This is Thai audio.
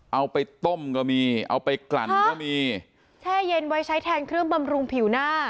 เอาไปต้มก็มีเอาไปกลั่นก็มีแช่เย็นไว้ใช้แทนเครื่องบำรุงผิวหน้า